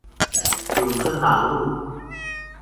永春南路